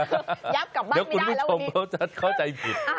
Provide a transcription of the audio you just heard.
ยับกลับบ้านไม่ได้แล้ววันนี้เดี๋ยวคุณผู้ชมเพราะฉันเข้าใจผิด